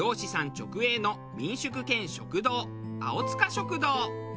直営の民宿兼食堂青塚食堂。